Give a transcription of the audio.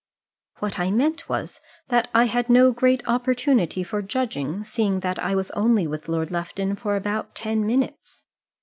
"What I meant was, that I had no great opportunity for judging, seeing that I was only with Lord Lufton for about ten minutes."